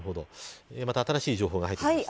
また新しい情報が入ってきました。